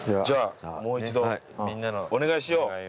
じゃあもう一度お願いしよう。